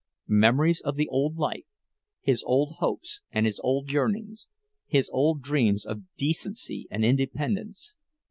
Memories of the old life—his old hopes and his old yearnings, his old dreams of decency and independence!